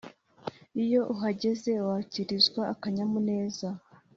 iyo uhageze wakirizwa akanyamuneza